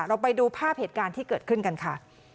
ไปดูภาพเหตุการณ์ที่เกิดขึ้นกันค่ะ